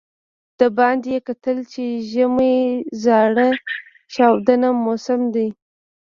د باندې یې کتل چې ژمی زاره چاودون موسم دی.